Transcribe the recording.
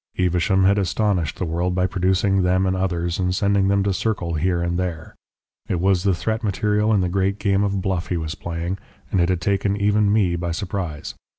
Evesham had astonished the world by producing them and others, and sending them to circle here and there. It was the threat material in the great game of bluff he was playing, and it had taken even me by surprise.